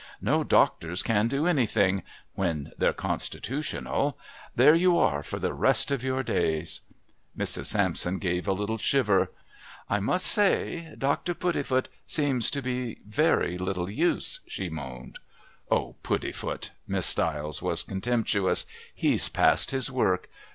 No doctors can do anything when they're constitutional. There you are for the rest of your days!" Mrs. Sampson gave a little shiver. "I must say, Dr. Puddifoot seems to be very little use," she moaned. "Oh! Puddifoot!" Miss Stiles was contemptuous. "He's past his work.